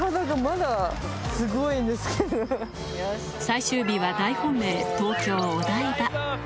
最終日は大本命東京・お台場